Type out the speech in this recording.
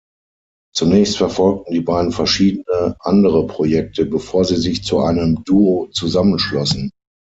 Zunächst verfolgten die beiden verschiedene andere Projekte, bevor sie sich zu einem Duo zusammenschlossen.